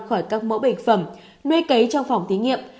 khỏi các mẫu bệnh phẩm nuôi cấy trong phòng thí nghiệm